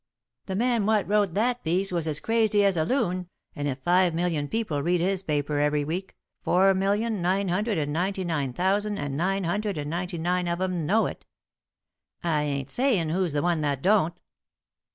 The man what wrote that piece was as crazy as a loon, and if five million people read his paper every week, four million, nine hundred and ninety nine thousand and nine hundred and ninety nine of 'em know it. I ain't sayin' who's the one that don't."